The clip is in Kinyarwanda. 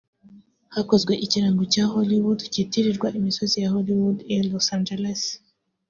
Hakozwe ikirango cya Hollywood kitirirwa imisozi ya Hollywood i Los Angeles